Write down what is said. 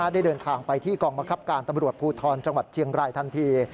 ได้เดินทางไปที่กองบังคับการตำรวจภูทรจังหวัดเชียงรายทันที